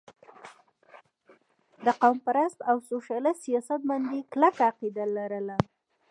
د قوم پرست او سوشلسټ سياست باندې کلکه عقيده لرله